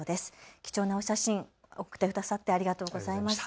貴重なお写真、送ってくださりありがとうございます。